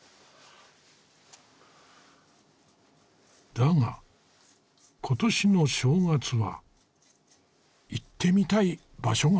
だが今年の正月は行ってみたい場所があった。